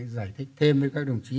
giải thích thêm với các đồng chí